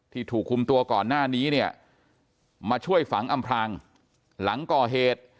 ถูกคุมตัวก่อนหน้านี้เนี่ยมาช่วยฝังอำพลางหลังก่อเหตุ